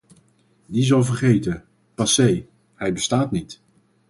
Die is al vergeten, passé, hij bestaat niet!